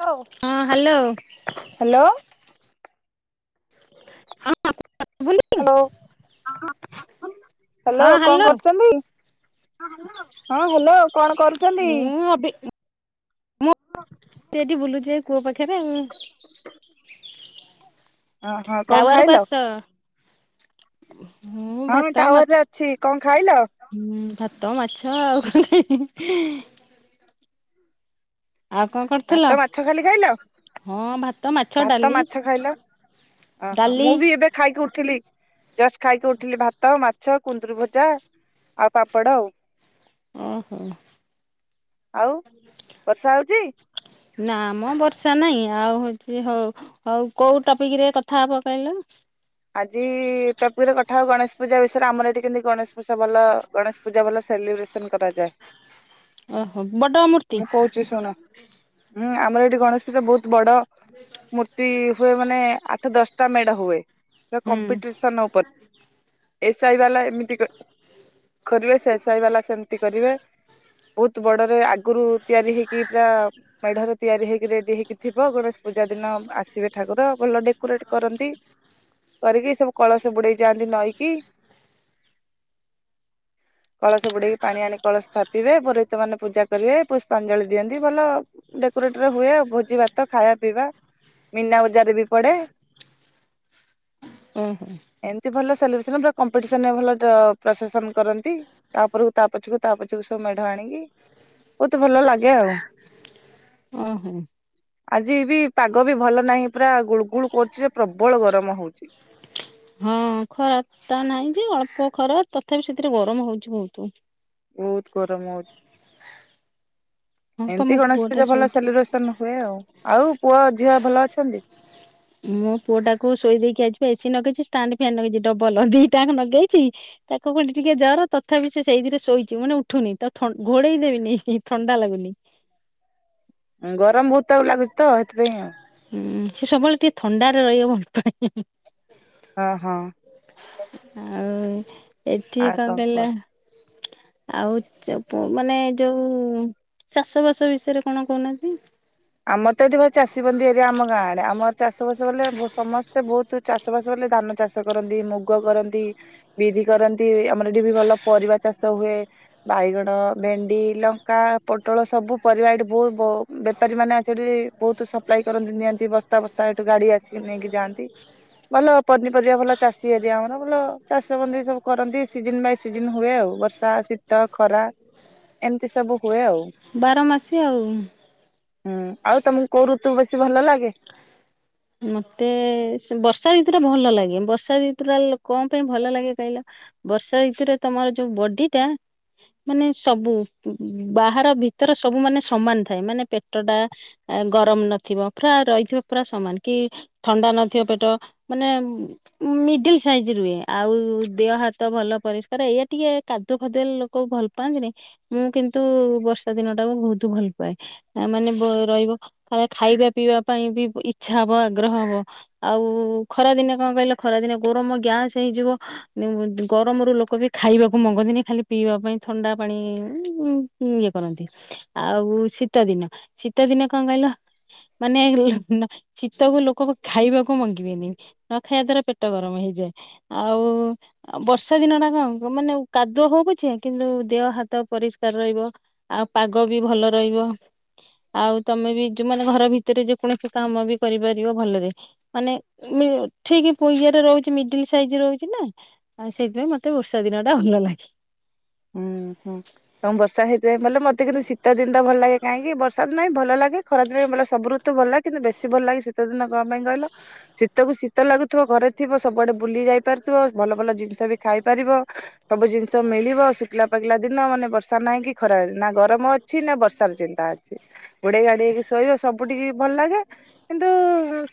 ହଉ। ହଁ hello. Hello. Hello [inaudible] hello କଣ କରୁଛନ୍ତି? ହଁ ହ୍ୟାଲୋ କଣ କରୁଛନ୍ତି? ମୁଁ ଅବି ସେଠି ବୁଲୁଛି ଏ କୂଅ ପାଖରେ। ଓ ହଁ କଣ ଟାୱାର କୁ ଖାଇଲ? ଆସ ହଁ ମୁଁ ଭାତ ଟାୱାର ମାଛ ରେ ଅଛି, କଣ ଖାଇଲ? ହୁଁ, ଭାତ, ମାଛ ଆଉ କଣ ଖାଇବି? ଆଉ କଣ କର ଭାତ, ମାଛ ଖାଲି ଖାଇଲ? ହଁ ଭାତ, ମା ଭାତ, ମାଛ ଖାଇଲ, ଓହୋ, ଡାଲି ମୁଁ ବି ଏବେ ଖାଇକି ଉଠିଲି ଜଷ୍ଟ ଖାଇକି ଉଠିଲି, ଭାତ‌ ଆଉ ମା ଛ, କୁନ୍ଦୁରି ଭଜା ଆଉ ପାମ୍ପଡ଼ ଆଉ। ଓହୋ। ଆଉ ବର୍ଷା ହଉଛି? ନା ମୋ ବର୍ଷା ନାହିଁ, ଆଉ ହଉଛି ହଉ ହଉ କୋଉ ଟପିକ୍ ରେ କଥା ହବ କହିଲ? ଆଜି ଟପିକ୍ ରେ କଥା ହଉ ଗଣେଶ ପୂଜା ବିଷୟରେ ଆମର ଏଠି କେମିତି ଗଣେଶ ପୂଜା ଭଲ ଗଣେଶ ପୂଜା ଭଲ ସେଲିବ୍ରେସନ୍ କରାଯାଏ। ଓହୋ ବଡ ମୂର୍ତ୍ତି ମୁଁ କହୁଛି ଶୁଣ ହୁଁ, ଆମର ଏଇଠି ଗଣେଶ ସେଟା ବହୁତ ବଡ ମୂର୍ତ୍ତି ହୁଏ ମାନେ ଆଠ ଦଶଟା ମେଢ ହୁଏ। ସେ ହୁଁ କମ୍ପିଟିସନ ହବ। ଏ ସାଇ ବାଲା ଏମିତି କ କରିବେ ସେ ସାଇ ବାଲା ସେମିତି କରିବେ। ବହୁତ ବଡରେ ଆଗରୁ ତିଆରି ହେଇକି ପ୍ରା ମେଢରେ ତିଆରି ହେଇକି ରେଡି ହେଇକି ଥିବ, ଗଣେଶ ପୂଜା ଦିନ ଆସିବେ ଠାକୁର ଭଲ ଡେକୋରେଟ୍ କରନ୍ତି। କରିକି ସବୁ କଳସ ବୁଡେଇ ଯାଆନ୍ତି ନଈକି। କଳସ ବୁଡେଇ ପାଣି ଆଣି କଳସ ଥାପିବେ, ପୁରୋହିତ ମାନେ ପୂଜା କରିବେ, ପୁଷ୍ପାଞ୍ଜଳି ଦିଅନ୍ତି। ଭଲ ଡେକୋରେଟ ରେ ହୁଏ ଭୋଜି ଭାତ ଖାଇବା ପିଇବା, ମିନା ବଜାର ବି ପଡେ। ଓ ହଁ। ଏମତି ଭଲ ସେଲିବ୍ରେସନ୍ ପୁରା କମ୍ପିଟିସନ ଭଲ ଟା ପ୍ରଶେସନ୍ କରନ୍ତି। ତା ପୁରୁ ତାପଛକୁ ତାପଛକୁ ସବୁ ମେଢ ଆଣିକି ବହୁତ ଭଲ ଲାଗେ ଆଉ। ଓହୋ। ଆଜି ବି ପାଗ ବି ଭଲ ନାହିଁ, ପୁରା ଗୁଳୁ ଗୁଳୁ କରୁଛି ଯେ ପ୍ରବଳ ଗରମ ହଉ ହଁ ଖରା ଟା ନାହିଁ ଯେ ଅଳ୍ପ ଖରା। ତଥାପି ସେଥିରେ ଗରମ ହଉଚି ବହୁତୁ। ବହୁତ ଗରମ ହଉଛି। ହଁ ପା ମୋ ଏମତି ଗଣେଶ ପୁଅ ଟା ପୂଜା ଭଲ ଶୋଇଛି। ସେଲିବ୍ରେସନ୍ ହୁଏ ଆଉ। ଆଉ ପୁଅ ଝିଅ ଭଲ ଅଛନ୍ତି? [inaudible] ମୋ ପୁଅ ଟାକୁ ଶୋଇ ଦେଇକି ଆଇଛି ଯେ ଏସି ନଗେଇଛି, ଷ୍ଟାଣ୍ଡ ଫ୍ୟାନ୍ ନଗେଇଚି ଡବଲ୍ ଦି ଟାଙ୍କ ନଗେଇଛି। ତାକୁ ପୁଣି ଟିକେ ଜର ତଥାପି ସେ ସେଇଥିରେ ଶୋଇଛି ମାନେ ଉଠୁନି, ତ ଥଣ୍ଡ, ଘୋଡେଇ ଦେଇନି କି ଥଣ୍ଡା ଲାଗୁନି। ଉଁ, ଗରମ ବହୁତ ତାକୁ ଲାଗୁଛି ତ ସେଥିପାଇଁ ଆଉ। ହୁଁ ସେ ସବୁବେଳେ ଟିକେ ଥଣ୍ଡାରେ ରହିବାକୁ ଭଲ ପାଏ। ହଁ ହଁ। ଆଉ ଏଠି ଆଉ କଣ କୁହ? କହିଲ? ଆଉ ଚ ପ ମାନେ ଯୋଉ ଚାଷ ବାସ ବିଷୟରେ କଣ କହୁନାହାନ୍ତି? ଆମର ତ ଏଠି ଭଇ ଚାଷୀିବନ୍ଦୀ ଏରିଆ ଆମ ଗାଁଆଡେ ଆମର ଚାଷ ବାସ ବଲେ ସମସ୍ତେ ବହୁତ ତୁ ଚାଷ ବାସ କଲେ ଧାନ ଚାଷ କରନ୍ତି ମୁଗ କରନ୍ତି ବିରି କରନ୍ତି ଆମର ଏଠି ବି ଭଲ ପରିବା ଚାଷ ହୁଏ। ବାଇଗଣ ଭେଣ୍ଡି ଲଙ୍କା ପୋଟଳ ସବୁ ପରିବା ଏଠି ବହୁ ବହୁତ ବେପ୍ ବେପାରୀ ମାନେ ଆସି ବହୁତ ସପ୍ଲାଇ କରନ୍ତି ନିଅନ୍ତି ବସ୍ତା ବସ୍ ସ୍ତା ଏଠୁ ଗାଡି ଆସିକି ନେଇକି ଯାଆନ୍ତି ଭଲ ପନିପରିବା ଭଲ ଚାଷୀ ଏରିଆ ଆମର ଭଲ ଚାଷବନ୍ଦୀ ସବୁ କରନ୍ତି ସିଜନ ବାଇ ସିଜନ ହୁଏ ଆଉ ବର୍ଷା ସି ତ ଖରା ଏମିତି ସବୁ ହୁଏ ଆଉ। ବାର ମାସି ଆଉ। ହୁଁ ଆଉ ତମକୁ କୋଉ ଋତୁ ବେଶୀ ଭଲ ଲାଗେ। ମତେ ଶୁ ବର୍ଷା ଋତୁ ଟା ଭଲ ଲାଗେ ବର୍ଷା ଋତୁ ଟା କଣ ପାଇଁ ଭଲ ଲାଗେ କହିଲ? ବର୍ଷା ଋତୁରେ ତମର ଯୋଉ ବଡି ଟା। ମାନେ ସବୁ ବାହାର ଭିତର ସବୁ ମାନେ ସମାନ ଥାଏ ମାନେ ପେଟ ଟା ଗରମ ନଥିବ ପୁରା ରହିଥିବ ପୁରା ସମାନ କି? ଥଣ୍ଡା ନଥିବ ପେଟ ମାନେ ମିଡିଲ ସାଇଜ ରୁହେ ଆଉ ଦେହ ହାତ ଭଲ ପରିଷ୍କାର ଏଇଆ ଟିକେ କାଦୁ ଫାଦୁଅ ଲୋକ ଭଲ ପାଆନ୍ତିନି ମୁଁ କିନ୍ତୁ ବର୍ଷା ଦିନ ଟା ମୁ ବହୁତ ଭଲ ପାଏ। ମାନେ ବୋ ରହିବ ଖାଇବା ପିଇବା ପାଇଁ ବି ଇଚ୍ଛା ହବ ଆଗ୍ରହ ହବ। ଆଉ ଖରା ଦିନେ କଣ କହିଲ? ଖରା ଦିନେ ଗରମ ଗ୍ୟାସ ହେଇଯିବ। ଗରମରୁ ଲୋକ ବି ଖାଇବାକୁ ମଗନ୍ତିନି ଖାଲି ପିଇବା ପାଇଁ ଥଣ୍ଡା ପାଣି ହଁ ଇଏ କରନ୍ତି। ଆଉ ଶୀତ ଦିନ ଶୀତ ଦିନ କଣ କହିଲ? ମାନେ ଶୀତକୁ ଲୋକ ଖାଇବାକୁ ମଙ୍ଗିବେନି। ନ ଖାଇବା ଦ୍ଵାରା ପେଟ ଗରମ ହେଇଯାଏ। ଆଉ ଆଉ ବର୍ଷା ଦିନ ଟା କଣ ମାନେ କାଦୁଅ ହଉ ପଛେ କିନ୍ତୁ ଦେହ ହାତ ପରିଷ୍କାର ରହିବ। ଆଉ ପାଗ ବି ଭଲ ରହିବ ଆଉ ତମେ ବି ଯୋଉ ମାନେ ଘର ଭି ଭିତରେ ଯେ କୌଣସି କାମ ବି କରିପାରିବ ଭଲରେ। ମାନେ ଠିକ ପଇଶା ରେ ରହୁଛି। ମିଡିଲ ସାଇଜରେ ରହୁଛି ନା ଆଉ ସେଇଥିପାଇଁ ମତେ ବର୍ଷା ଦିନ ଟା ଭଲ ଲାଗେ। ହୁଁ ହୁଁ। ହଁ ବର୍ଷାହେଥିପାଇଁ ପାଇଁ ଭଲ ମତେ କିନ୍ତୁ ଶୀତ ଦିନ ତ ଭଲ ଲାଗେ କାହିଁକି ବର୍ଷା ନାଇଁ ଭଲ ଲାଗେ ଖରା ବେ ସବୁ ରୁ ତୁ ଭଲ କିନ୍ତୁ ବେଶୀ ଭଲ ଲାଗେ ଶୀତ ଦିନ କ ପାଇଁ କହିଲ? ଶୀତକୁ ଶୀତ ଲାଗୁଥିବ ଘରେ ଥିବ ସବୁଆଡେ ବୁଲି ଯାଇ ପାରୁଥିବ ଭଲ ଭଲ ଜିନିଷ ବି ଖାଇ ପାରିବ। ସବୁ ଜିନିଷ ମିଳିବ। ଶୁଖିଲା ପାଗିଲା ଦିନ ମାନେ ବର୍ଷା ନାହିଁ କି ଖରା ନା ଗରମ ଅଛି ନା ବର୍ଷାର ଚିନ୍ତା ଅଛି। ଘୋଡେଇ ଗାଡେଇକି ଶୋଇବ ସବୁ ଟିକେ ଭଲ ଲାଗେ। କିନ୍ତୁ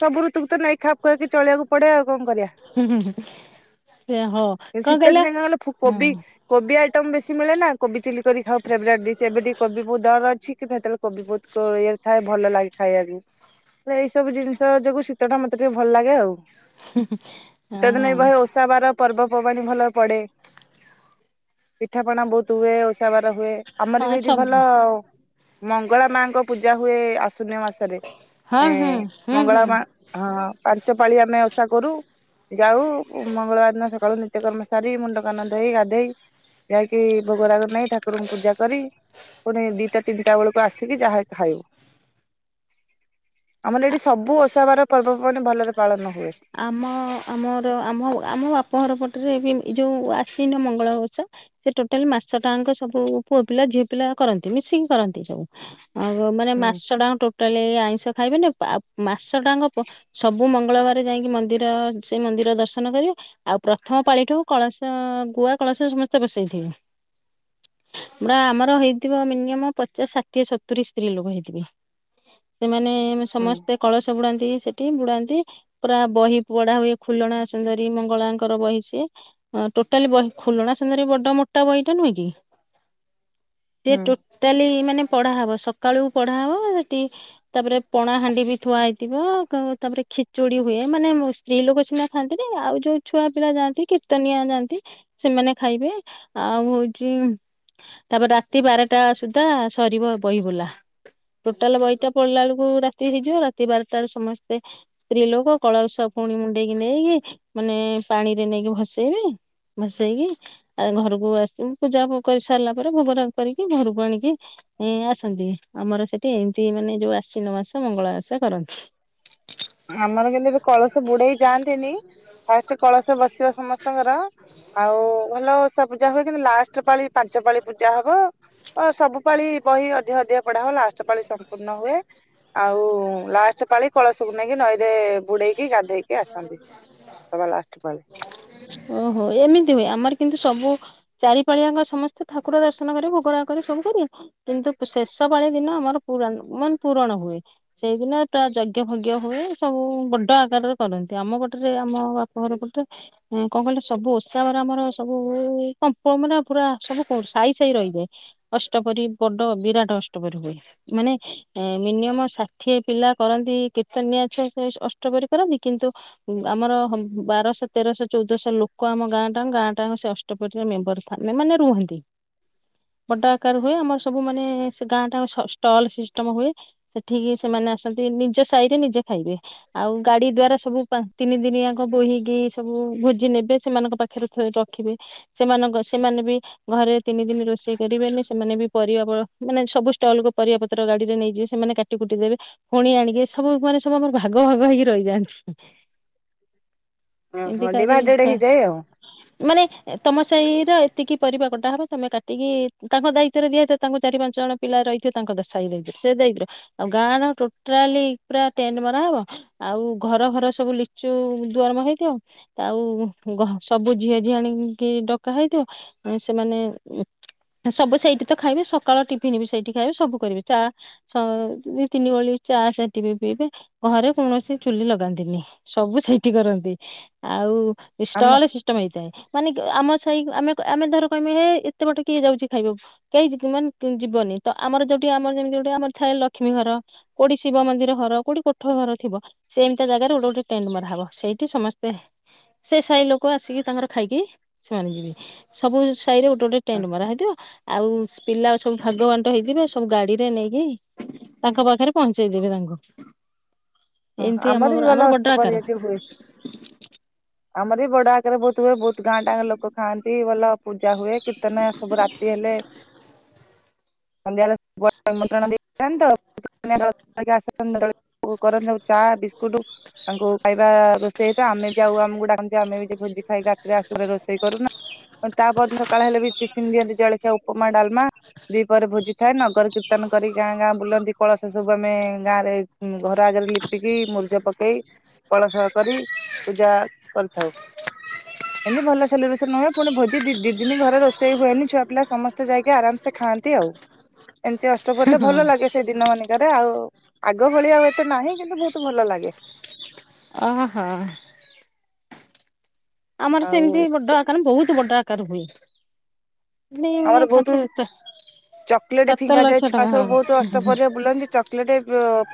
ସବୁ ଋତୁକୁ ନେଇକି ଖାପ୍ ଖୁଆଇକି କରି ଚଳିବାକୁ ପଡେ ଆଉ କଣ ହୁଁ ହୁଁ। କରିବା। ଶୀତ ଦିନେ କଣ କହିଲ ଫୁ ହଁ କୋବି କୋବି ଆଇଟମ୍ ବେଶୀ ମିଳେ ନା କୋବି ଚିଲି କରି ଖାଉ ଫେବାରାଟ ଡିସ୍ ଏବେ କୋବିଟିକେ ବହୁତ ଦର ଅଛି। କିନ୍ତୁ ସେତବେଳେ କବି ବୋହୁତ୍ ଇଏରେ ଥାଏ। ଭଲ ଲାଗେ ଖାଇବାକୁ। ଏଇ ସବୁ ଜିନିଷ ଯୋଗୁ ଶୀତ ଟା ମତେ ଟିକେ ଭଲ ଲାଗେ ଆଉ। ହୁଁ ହୁଁ ହଁ। ଓଷାବାର ପର୍ବପର୍ବାଣି ଭଲ ପଡ଼େ। ପିଠାପଣା ବହୁତ ହୁଏ, ଓଷାବାର ହୁଏ, ଆମର ହଁ ବି ଏଠି ଭଲ ସବୁ ମଙ୍ଗଳା ମାଙ୍କ ପୂଜା ହୁଏ ଆଶ୍ୱିନ ମାସରେ, ହଁ ଏ ହୁଁ ହୁଁ ମଙ୍ଗଳା ହୁଁ। ମା ହଁ ପାଞ୍ଚ ପାଳି ଆମେ ଓଷା କରୁ। ଯାଉ ମଙ୍ଗଳବାର ଦିନ ସକାଳୁ ନିତ୍ୟକର୍ମ ସାରି ମୁଣ୍ଡକାନ ଧୋଇ ଗାଧେଇ ଯାାଇକି ଭୋଗରାଗ ନେଇ ଠାକୁରଙ୍କୁ ପୂଜା କରି ପୁଣି ଦିଟା ତିନିଟା ବେଳକୁ ଆସିକି ଯାହା ଖାଇବୁ, ଆମର ଏଠି ସବୁ ଓଷାବାର ପର୍ବପର୍ବାଣୀ ଭଲରେ ପାଳନ ହୁଏ। ଆମ ଆମର ଆମ ଆମ ବାପ ଘର ପଟରେ ବି ଏ ଯୋଉ ଆଶ୍ୱିନ ମଙ୍ଗଳା ଓଷା ସେ ଟୋଟାଲ ମାସ ଟାଆଙ୍କ ସବୁ ପୁଅ ପିଲା ଝିଅ ପିଲା କରନ୍ତି ମିଶିକି କରନ୍ତି ସବୁ। ଆଉ ମାନେ ହୁଁ ମାସ ଟାଙ୍କ ଟୋଟାଲି ଆଇଁଷ ଖାଇବେନି ମାସ ଟାଆଙ୍କ ସବୁ ମୁଁ ମଙ୍ଗଳବାର ଯାଇକି ମନ୍ଦିର ସେ ମନ୍ଦିର ଦର୍ଶନ କରିବେ। ଆଉ ପ୍ରଥମ ପାଳିଠୁ କଳସ ଗୁଆ କଳସ ସମସ୍ତେ ବସେଇଥିବେ। ପୁରା ଆମର ହେଇଥିବ ମିନିଅମ୍ ପଚାଶ ଷାଠିଏ ସତୁରି ସ୍ତ୍ରୀ ଲୋକ ହେଇଥିବେ। ସେମାନେ ହୁଁ ସମସ୍ତେ କଳସ ବୁଡାନ୍ତି। ସେଠି ବୁଡାନ୍ତି, ପୁରା ବହି ପଢା ହୁଏ ଖୁଲଣା ସୁନ୍ଦରୀ ମଙ୍ଗଳାଙ୍କର ବହି ସିଏ। ହଁ ଟୋଟାଲି ବ ଖୋଲଣା ସୁନ୍ଦରୀ ବଡ ମୋଟା ବହିଟା ନୁହେଁ କି? ସିଏ ହୁଁ। ଟୋଟାଲି ମାନେ ପଢାହବ, ସକାଳୁକୁ ପଢାହବ। ତି ତାପରେ ପଣା ହାଣ୍ଡି ବି ଥୁଆ ହେଇଥିବ। ତାପରେ ଖିଚୁଡି ହୁଏ, ମାନେ ସ୍ତ୍ରୀ ଲୋକ ସିନା ଖାଆନ୍ତିନି ଆଉ ଯୋଉ ଛୁଆ ପିଲା ଯାଆନ୍ତି କୀର୍ତ୍ତନିଆ ଯାଆନ୍ତି। ସେମାନେ ଖାଇବେ, ଆଉ ହଉଛି ତାପରେ ରାତି ବାରଟା ସୁଦ୍ଧା ସରିବ ବହି ବୁଲା। ଟୋଟାଲ ବହିଟା ପଳିଲା ବେଳକୁ ରାତି ହେଇଯିବ, ରାତି ବାରଟାରେ ସମ ତେ ସ୍ତ୍ରୀ ଲୋକ କଳସ ପୁଣି ମୁଣ୍ଡେଇକି ନେଇକି ମାନେ ପାଣିରେ ନେଇକି ଭସେଇବେ, ଭସେଇକି ତାପରେ ଘରକୁ ଆସିି ପୂଜା କରି ସାରିଲା ପରେ ଭୋଗରାଗ କରିକି ଘରକୁ ଆଣିକି ଏଁ ଆସନ୍ତି, ଆମର ସେଠି ଏମିତି ମାନେ ଯୋଉ ଆଶ୍ୱିନ ମାସ ମଙ୍ଗଳା ଓଷା କରନ୍ତି। ଆମର କିନ୍ତୁ କଳସ ବୁଡେଇ ଯାଆନ୍ତିନି। ଫାଷ୍ଟ କଳସ ବସିବ ସମସ୍ତଙ୍କର, ଆଉ ଭଲଓଷା ପୂଜା ହୁଏ କିନ୍ତୁ ଲାଷ୍ଟ ପାଞ୍ଚପାଳି ପାଞ୍ଚ ପାଳି ପୂଜା ହବ। ଓ ସବୁ ପାଳି ବହି ଅଧେ ଅଧିକା ପଢା ହବ ଲାଷ୍ଟ ପାଳି ସମ୍ପୂର୍ଣ୍ଣ ହୁଏ। ଆଉ ଲାଷ୍ଟ ପାଳି କଳସକୁ ନେଇକି ନଈରେ ବୁଡେଇକି ଗାଧେଇକି ଆସନ୍ତି, ସବା ଲାଷ୍ଟ ପାଳି। ଓହୋ ଏମିତି ହୁଏ, ଆମର କିନ୍ତୁ ସବୁ ଚାରିପାଳିଆଙ୍କ ସମସ୍ତେ ଠାକୁର ଦର୍ଶନ କରି ଭୋଗରାଗ କରି ସବୁ କରିବେ। କିନ୍ତୁ ଶେଷ ପାଳି ଦିନ ଆମର ପୁରା ମାନେ ପୁରଣ ହୁଏ। ସେଇଦିନ ପ୍ରାୟ ଯଜ୍ଞ ଫଜ୍ଞ ହୁଏ। ସବୁ ବଡ ଆକାରରେ କରନ୍ତି, ଆମ ପଟରେ ଆମ ବାପ ଘରପଟେ କଣ କହିଲେ ସବୁ ଓଷା ବାର ଆମର ସବୁ କମ୍ପ ଫମ୍ପ ମାନେ ପୁରା ସବୁ ସାଇ ସାଇ ରହିଯାଏ। ଅଷ୍ଟପହରୀ ବଡ ବିରାଟ ଅଷ୍ଟପରିହୁଏ। ମାନେ ମିନିଅମ ଷାଠିଏ ପିଲା କରନ୍ତି କୀର୍ତ୍ତନିଆ ଅଷ୍ଟପହରି କରନ୍ତି କିନ୍ତୁ ଆମର ବାରଶ ତେରଶ ଚଉଦଶ ଲୋକ ଆମ ଗାଁ ଟା ଗାଁ ଟା ସେ ଅ ଅଷ୍ଟପରି ମେମ୍ବର ଥାନ୍ତେ ମାନେ ରୁହନ୍ତି। [inaudible] ବଡ ଆକାର ହୁଏ, ଆମର ସବୁ ମାନେ ଗାଁ ଟା ଯାକ ଷ୍ଟଲ ସିଷ୍ଟମ ହୁଏ। ସେଠିକି ସେମାନେ ଆସନ୍ତି। ନିଜ ସାହି ରେ ନିଜେ ଖାଇବେ। ଆଉ ଗାଡି ଦ୍ଵାରା ସବୁ ପା ତିନି ଦିନିଆଙ୍କ ବୋହିକି ସବୁ ଭୋଜି ନେବେ ସେମାନଙ୍କ ପାଖରେ ରଖିବେ, ସେମାନଙ୍କ ସେମାନେ ବି ଘରେ ତିନି ଦିନ ରୋଷେଇ କରିବେନି। ସେମାନେ ବି ପରିବା, ପ ମାନେ ସବୁ ଷ୍ଟଲକୁୁ ପରିବା ପତ୍ର ଗାଡିରେ ନେଇଯିବେ ସେମାନେ କା କାଟି କୁଟି ଦେବେ, ଫୁଣି ଆଣିକି ସବୁ ମାନେ ସବୁ ଆମର ଭାଗ ଭାଗ ହେଇକି ରହିଯାଆନ୍ତି। ଅ ଏମିତି ହଁ, ଡିିଭାଇଡେଡ୍ କରି ହେଇଯାଏ ଆଉ। ମାନେ ତମ ସାହି ର ଏତିକି ପରିବା କଟା ହବ, ତମେ କାଟିକି, ତାଙ୍କ ଦାୟିତ୍ୱରେ ଦିଆଯା ତାଙ୍କୁ ଚାରି ପାଞ୍ଚ ଜଣ ପିଲା ରହିଥିବେ। ତାଙ୍କୁ ଦଶ [unintelligible] ହେଇ ଦେଇଥିବ ସେ ଦେଇଦ ଆଉ ଗାଁର ଟୋଟାଲି ପୁରା ଟେଣ୍ଡେ ମାରି ମରା ହବ, ଆଉ ଘର ଘର ସବୁ ଲିଚୁ ଦ୍ୱାର ମୁଁହଁ ହେଇଥିବ। ଆଉ ସବୁ ଝିଅ ଝିଆଣିକି ଡକା ହେଇଥିବ, ସେମାନେ ସବୁ ସେଇଠି ତ ଖାଇବେ, ସକାଳ ଟିଫିନ ବି ସେଇଠି ଖାଇବେ, ସବୁ କରିବେ, ଚା ସେ ଦି ତିନି ଓଳି ଚା ସେଟିବି ପିଇବେ। ଘରେ କୌଣସି ଚୂଲି ଲଗାନ୍ତିନି। ସବୁ ସେଇଠି କରନ୍ତି, ଆଉ ଆମ ଷ୍ଟଲ ସି ଷ୍ଟମ ହେଇଥାଏ। ମାନେ ଆମ ସାହି ଆମେ ଆମେ ଧର କହିବୁ ହେ, ଏତେ ଵାଟ କିଏ ଯାଉଛି ଖାଇବାକୁ? କେହି ଯି ମାନେ ଯିବନି, ତ ଆମର ଯୋଉଠି ଆମର ଯେମିତି ଯୋଉଠି ଆମର ଥାଏ ଲକ୍ଷ୍ମୀ ଘର। କୋଉଠି ଶିବ ମନ୍ଦିର ହର, କୋଉଠି କୋ କୋଠ ଘର ଥିବ, ସେମିତିଆ ଜାଗାରେ ଗୋଟେ ଗୋଟେ ଟେଣ୍ଡେ ମରାହେବ। ସେଇଠି ସମସ୍ତେ ସେ ସାହି ଲୋକ ଆସିକି ତାଙ୍କର ଖାଇକି ସେମାନେ ଯିବେ। ସବୁ ସାହି ରେ ଗୋଟେ ଗୋଟେ ଟେଣ୍ଡେ ମରା ହେଇଥିବ ଆଉ ପିଲା ସବୁ ଭାଗବାଣ୍ଟ ହେଇଯିବେ। ସବୁ ଗାଡିରେ ନେଇକି ତାଙ୍କ ପାଖରେ ପହଞ୍ଚେଇ ଦେବେ ତାଙ୍କୁ। ହଁ, ଏମିତି ଆମର ବି ଭଲ ବଡ ଅଷ୍ଟପ୍ରହରୀ ଆକାର ଏଠି ହୁଏ, ଆମର ବି ବଡ ଆ [unintelligible] ବହୁତ ହୁଏ, ବହୁତ ଗାଁ ଟାଙ୍କ ଲୋକ ଖାଆନ୍ତି। ଭଲ ପୂଜା ହୁଏ, କୀର୍ତ୍ତନିଆ ସବୁ ରାତି ହେଲେ [unintelligible] [unintelligible] ଚା ବିସ୍କୁଟ, ତାଙ୍କୁ ଖାଇବା ରୋଷେଇ ହେଇଥାଏ, ଆମେ ବି ଆଉ ଆମ କୁ ଡାକନ୍ତି ଆମେ ବି ହେଟି ଭୋଜି ଖାଇ ରାତିରେ ଆସୁ, ରୋଷେଇ କରୁନା, ତାପର ଦିନ ସକାଳେ ହେଲେ ବି ଟିଫିନ ଦିଅନ୍ତି ଜଳଖି ସେ ଉପମା ଡାଲମା ଦିପହରେ ଭୋଜି ଥାଏ, ନଗର କୀର୍ତ୍ତନ କରିକି ଗାଁ ଗାଁ ବୁଲନ୍ତି। କଳସ ସବୁ ଆମେ ଗାଁରେ ଘର ଆଗରେ ଲିପି ଲିପିକି ମୁରୁଜ ପକେଇ, କଳସ କରି, ପୂଜା କରିଥାଉ। ଏମିତି ଭଲ ସେଲିବ୍ରେସନ ହୁଏ, ପୁଣି ଭୋଜି ଦିଦି ଦିନ ଘରେ ରୋଷେଇ ହୁଏନି। ଛୁଆ ପିଲା ସମସ୍ତେ ଯାଇକି ଆରମସେ ଖାଆନ୍ତି ଆଉ। ଏମତି ଅଷ୍ଟ ଅଷ୍ଟପ୍ରହରୀ ଟା ହଁ। ଭଲ ଲାଗେ ସେଇ ଦିନ ମାନିକରେ। ଆଉ ଆଗ ଭଳି ଆଉ ଏତେ ନାହିଁ। କିନ୍ତୁ ବହୁତ ଭଲ ଲାଗେ। ଓହୋ। ଆମର ଆଉ ସେମିତି ବଡ ଆକାର। ବହୁତ ବଡ ଆକାର ହୁଏ। [unintelligible] ଚକଲେଟ ସାତ ଫିଙ୍ଗା ଯାଏ। ଲକ୍ଷ ଛୁଆ ଟଙ୍କା ହଁ ସବୁ ବହୁତ ଅଷ୍ଟପ୍ରହରୀରେ ବୁଲନ୍ତି। ଚକ୍ ଲେଟ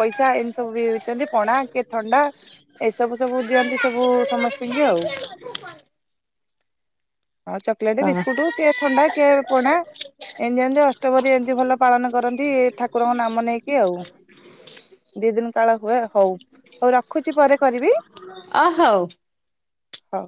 ପଇସା ଏମି ସବୁ ବିଞ୍ଚନ୍ତି। ପଣା କିଏ ଥଣ୍ଡା? ଏଇସବୁ, ସବୁ ଦିଅନ୍ତି ସବୁ ସମସ୍ତିଙ୍କି ଆଉ। ହଁ, ଚ ଚକଲେଟ, ହଁ। ବିସ୍କୁଟ କିଏ ଥଣ୍ଡା? କିଏ ପଣା? ଏମତି ଏମିତି ଅଷ୍ଟପ୍ରହରୀ ଭଲ ପାଳନ କରନ୍ତି। ଠାକୁରଙ୍କ ନାମ ନେଇକି ଆଉ। ଦି ଦିନ କାଳ ହୁଏ। ହଉ, ହଉ ରଖୁଚି ପରେ କରିବି। ଅହୋଉ। ହଉ।